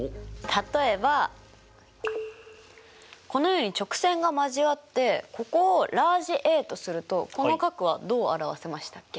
例えばこのように直線が交わってここをＡとするとこの角はどう表せましたっけ？